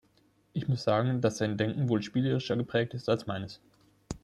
Ich muss sagen, dass sein Denken wohl spielerischer geprägt ist als meines.